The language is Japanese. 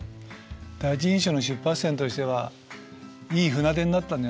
第一印象の出発点としてはいい船出になったんじゃないの？